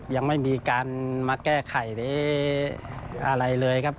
ยังไม่มีการมาแก้ไขอะไรเลยครับ